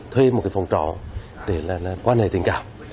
thuê một cái phòng trọ để là quan hệ tình cảm